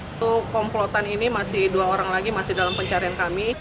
untuk komplotan ini masih dua orang lagi masih dalam pencarian kami